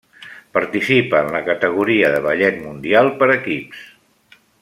Participa en la categoria de Ballet Mundial per equips.